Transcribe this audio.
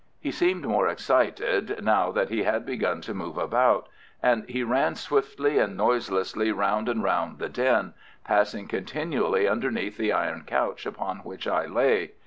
He seemed more excited now that he had begun to move about, and he ran swiftly and noiselessly round and round the den, passing continually underneath the iron couch upon which I lay.